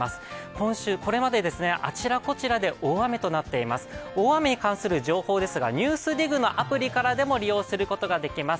今週これまでにあちらこちらで大雨となっています、大雨に関する情報ですが、ＮＥＷＳＤＩＧのアプリからも利用することができます。